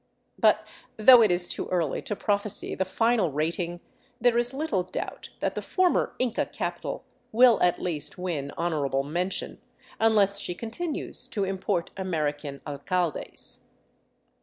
But though it is too early to prophesy the final rating, there is little doubt that the former Inca capital will at least win honorable mention — unless she continues to import American alcaldes.